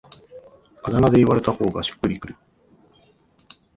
あだ名で言われた方がしっくりくる